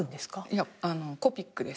いやコピックです。